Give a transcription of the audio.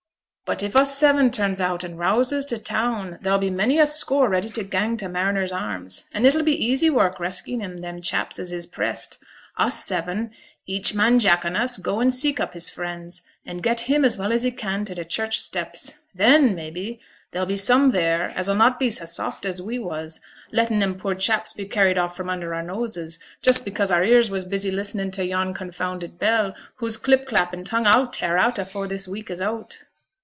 But if us seven turns out and rouses t' town, there'll be many a score ready to gang t' Mariners' Arms, and it'll be easy work reskyin' them chaps as is pressed. Us seven, each man jack on us, go and seek up his friends, and get him as well as he can to t' church steps; then, mebbe, there'll be some theere as'll not be so soft as we was, lettin' them poor chaps be carried off from under our noses, just becase our ears was busy listenin' to yon confounded bell, whose clip clappin' tongue a'll tear out afore this week is out.'